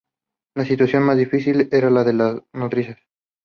La situación más difícil era la de las nodrizas.